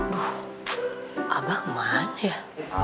duh abah kemana ya